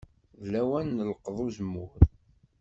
D lawan n leqḍ uzemmur.